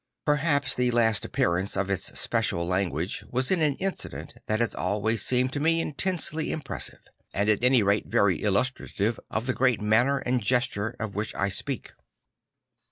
Perhaps the last appearance of its special language was in an incident that has always seemed to me intensely impressive, and is at any rate very illustrative of the great manner and gesture of which I speak.